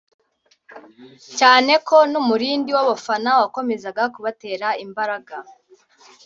cyane ko n’umurindi w’abafana wakomezaga kubatera imbaraga